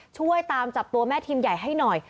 ช่วยตามจับตัวแม่ทีมใหญ่ให้หน่อย